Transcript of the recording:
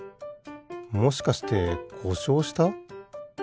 もしかしてこしょうした？